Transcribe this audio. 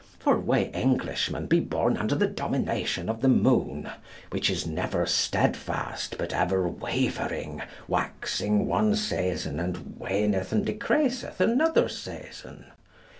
For we Englishmen be born under the domination of the moon, which is never steadfast but ever wavering, waxing one season and waneth and decreaseth another season.